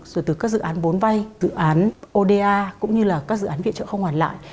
rồi từ các dự án bốn vay dự án oda cũng như là các dự án viện trợ không hoàn lại